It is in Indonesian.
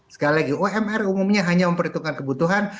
sekali lagi umr umumnya hanya memperhitungkan kebutuhan